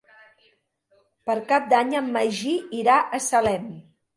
Per Cap d'Any en Magí irà a Salem.